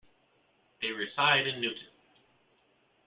They reside in Newton.